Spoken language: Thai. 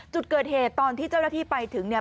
จุดเกิดเหตุตอนที่เจ้าหน้าที่ไปถึงเนี่ย